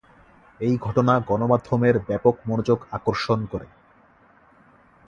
এই ঘটনা গণমাধ্যমের ব্যাপক মনোযোগ আকর্ষণ করে।